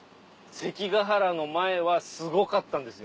関ヶ原の前はすごかったんですよ。